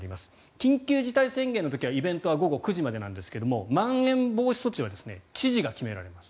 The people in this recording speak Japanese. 緊急事態宣言の時はイベントは午後９時までですがまん延防止措置は知事が決められます。